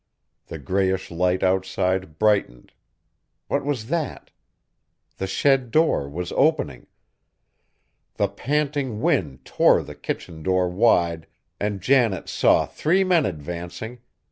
The grayish light outside brightened what was that? The shed door was opening! The panting wind tore the kitchen door wide, and Janet saw three men advancing!